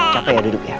cepet ya duduknya